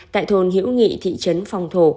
tại thôn hiễu nghị thị trấn phong thổ